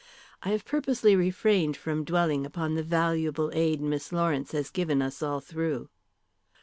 I have purposely refrained from dwelling upon the valuable aid Miss Lawrence has given us all through."